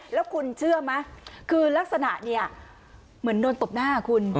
แล้วคุณเชื่อไหมคือลักษณะเนี่ยเหมือนโดนตบหน้าคุณ